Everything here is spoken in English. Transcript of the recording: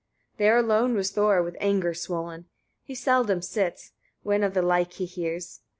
30. There alone was Thor with anger swollen. He seldom sits, when of the like he hears.